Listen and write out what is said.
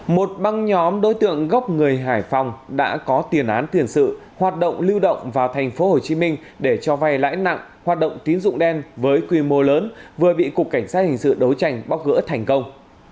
một băng nhóm đối tượng gốc người hải phòng đã có tiền án tiền sự hoạt động lưu động vào tp hcm để cho vay lãi nặng hoạt động tín dụng đen với quy mô lớn vừa bị cục cảnh sát hình sự đấu tranh bóc gỡ thành công